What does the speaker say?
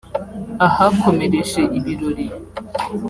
ahakomereje ibirori